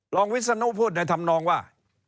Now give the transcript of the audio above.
วิศนุพูดในธรรมนองว่า